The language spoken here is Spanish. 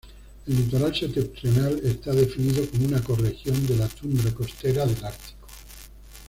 El litoral septentrional está definido como una ecorregión de la Tundra Costera del Ártico.